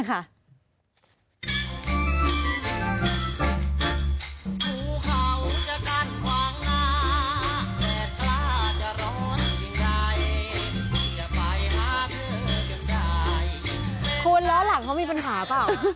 คุณล้อหลังเขามีปัญหาเปล่า